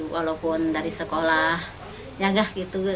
walaupun dari sekolah